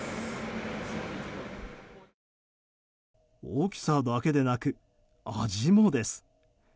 大きさだけでなく味もです。